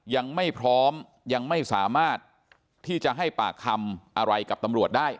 ยังไม่พร้อมยังไม่สามารถที่จะให้ปากคำอะไรกับตำรวจได้